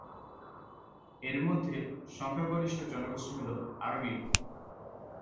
এর মধ্যে সংখ্যাগরিষ্ঠ জনগোষ্ঠী হলো আরবীয়।